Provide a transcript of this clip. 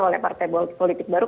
oleh partai politik baru